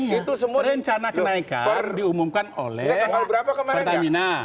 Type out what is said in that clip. itu semua rencana kenaikan diumumkan oleh pertamina